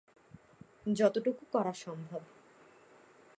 যতটুকু করা সম্ভব।